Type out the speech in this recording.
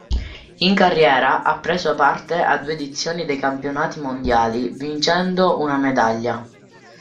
In carriera ha preso parte a due edizioni dei Campionati mondiali, vincendo una medaglia.